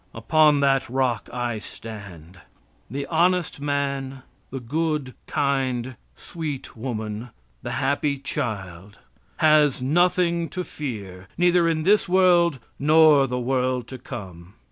And upon that rock I stand. The honest man, the good, kind, sweet woman, the happy child, has nothing to fear, neither in this world, nor the world to come.